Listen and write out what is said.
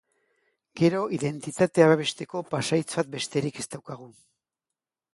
Gure identitatea babesteko pasahitz bat besterik ez daukagu.